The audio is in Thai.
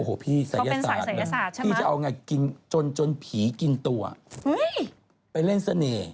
โอ้โหพี่ศัยศาสตร์นะพี่จะเอาไงกินจนผีกินตัวไปเล่นเสน่ห์